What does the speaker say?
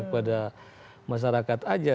kepada masyarakat aja